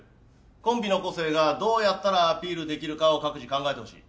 コンビの個性がどうやったらアピールできるかを各自考えてほしい。